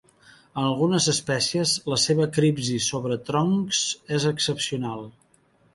En algunes espècies, la seva cripsi sobre troncs és excepcional.